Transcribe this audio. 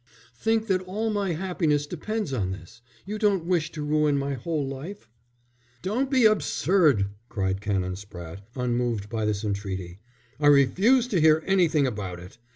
Think that all my happiness depends on this. You don't wish to ruin my whole life." "Don't be absurd," cried Canon Spratte, unmoved by this entreaty. "I refuse to hear anything about it.